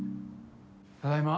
ただいま。